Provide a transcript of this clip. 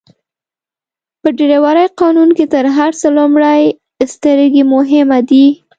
په ډرایورۍ قانون کي تر هر څه لومړئ سترګي مهمه دي.